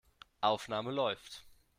Aufnahme läuft.